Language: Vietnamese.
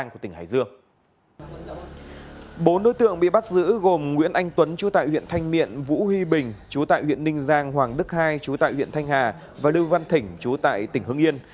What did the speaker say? chú tại huyện thanh miện vũ huy bình chú tại huyện ninh giang hoàng đức hai chú tại huyện thanh hà và lưu văn thỉnh chú tại tỉnh hương yên